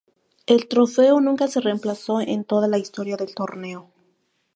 El trofeo nunca se reemplazó en toda la historia del torneo.